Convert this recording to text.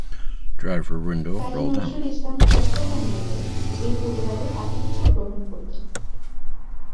কাজী নজরুল ইসলাম চট্টগ্রামে এলে এ পরিবারে আতিথ্য গ্রহণ করতেন।